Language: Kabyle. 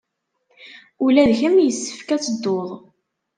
Ula d kemm yessefk ad teddud!